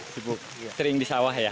sering di sawah ya